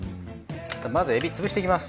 まずエビ潰していきます。